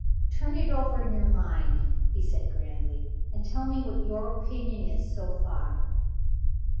"Turn it over in your own mind," he said grandly, "and tell me what your opinion is, so far."